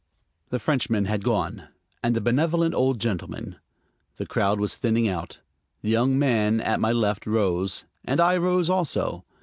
The Frenchman had gone, and the benevolent old gentleman. The crowd was thinning out. The young man at my left rose, and I rose also.